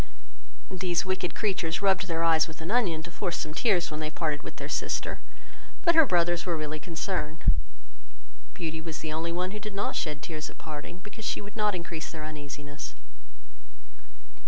These wicked creatures rubbed their eyes with an onion, to force some tears when they parted with their sister; but her brothers were really concerned. Beauty was the only one who did not shed tears at parting, because she would not increase their uneasiness.